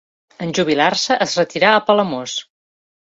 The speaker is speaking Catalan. En jubilar-se es retirà a Palamós.